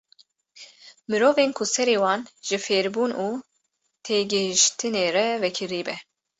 Mirovên ku serê wan ji fêrbûn û têgehîştinê re vekirî be.